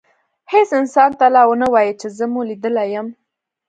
هیڅ انسان ته لا ونه وایئ چي زه مو لیدلی یم.